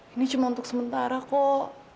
ini cuma untuk sementara kok